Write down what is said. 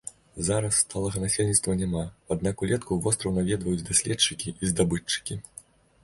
Зараз сталага насельніцтва няма, аднак улетку востраў наведваюць даследчыкі і здабытчыкі.